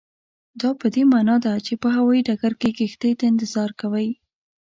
دا پدې معنا ده چې په هوایي ډګر کې کښتۍ ته انتظار کوئ.